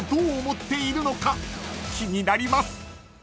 ［気になります］